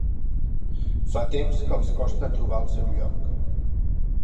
Fa temps que els costa trobar el seu lloc.